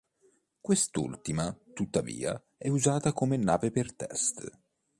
Quest'ultima, tuttavia, è usata come nave per test.